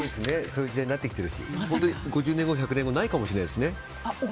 そういう時代になってきてるし本当に５０年後や１００年後ないかもしれないですね。